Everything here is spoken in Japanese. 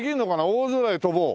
「大空へ飛ぼう！」。